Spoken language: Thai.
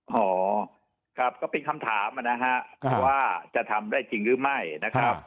อ๋อครับก็เป็นคำถามนะฮะว่าจะทำได้จริงหรือไม่นะครับ